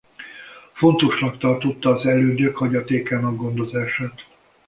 Fontosnak tartotta az elődök hagyatékának gondozását.